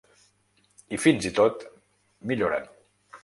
I fins i tot milloren.